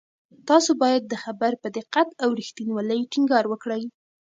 تاسو باید د خبر په دقت او رښتینولۍ ټینګار وکړئ.